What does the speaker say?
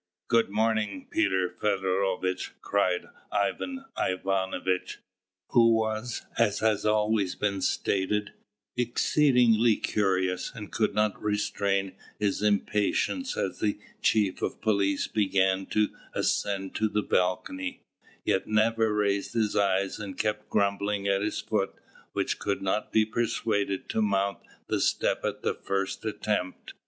"Good morning, Peter Feodorovitch!" cried Ivan Ivanovitch, who was, as has already been stated, exceedingly curious, and could not restrain his impatience as the chief of police began to ascend to the balcony, yet never raised his eyes, and kept grumbling at his foot, which could not be persuaded to mount the step at the first attempt.